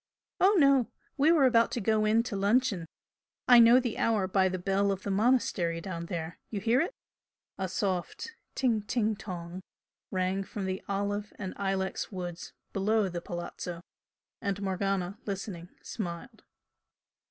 "Oh no! We were about to go in to luncheon I know the hour by the bell of the monastery down there you hear it?" A soft "ting ting tong" rang from the olive and ilex woods below the Palazzo, and Morgana, listening, smiled.